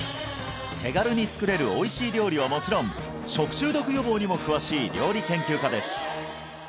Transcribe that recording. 手軽に作れるおいしい料理はもちろん食中毒予防にも詳しい料理研究家です